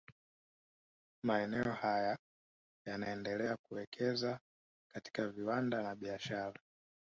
Maeneo haya yanaendelea kuwekeza katika viwanda na biashara